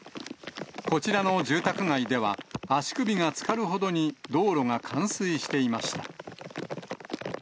こちらの住宅街では、足首がつかるほどに道路が冠水していました。